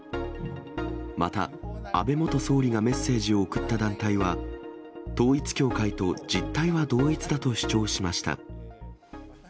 また、安倍元総理がメッセージを送った団体は、統一教会と実態は同一だと主張しました。